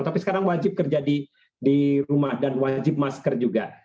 tapi sekarang wajib kerja di rumah dan wajib masker juga